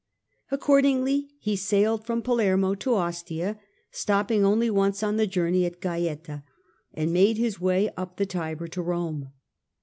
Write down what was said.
Accordingly he sailed from Palermo to Ostia, stopping only once on the journey at Gaeta, and made his way up the Tiber to Rome.